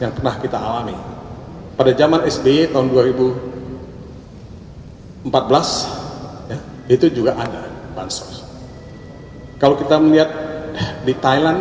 yang pernah kita alami pada zaman sby tahun dua ribu empat belas ya itu juga ada bansos kalau kita melihat di thailand